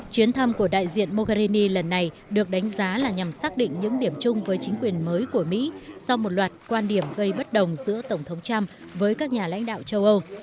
chuyến thăm của đại diện moharini lần này được đánh giá là nhằm xác định những điểm chung với chính quyền mới của mỹ sau một loạt quan điểm gây bất đồng giữa tổng thống trump với các nhà lãnh đạo châu âu